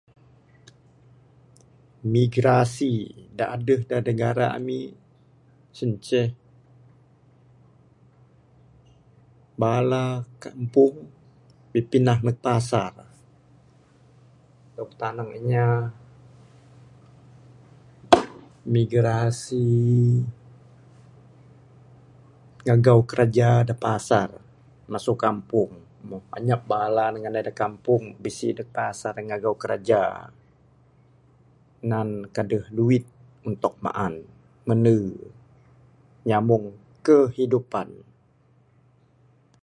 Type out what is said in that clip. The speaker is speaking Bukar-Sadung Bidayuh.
Migrasi da adeh da negara ami sien ceh bala kampung bipindah neg pasar dog tanang inya migrasi ngagau kiraja da pasar masu kampung. Meh anyap bala ne nganai da kampung bisi da pasar magau kiraja nan kaseh duit untuk maan, mende nyamung kehidupan.